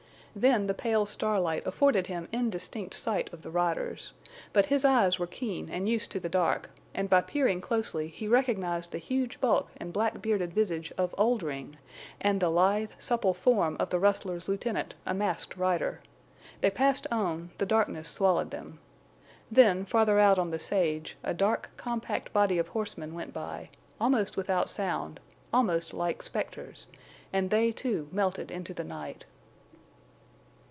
Then the pale starlight afforded him indistinct sight of the riders. But his eyes were keen and used to the dark, and by peering closely he recognized the huge bulk and black bearded visage of Oldring and the lithe, supple form of the rustler's lieutenant, a masked rider. They passed on; the darkness swallowed them. Then, farther out on the sage, a dark, compact body of horsemen went by, almost without sound, almost like specters, and they, too, melted into the night.